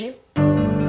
uangnya sepuluh juta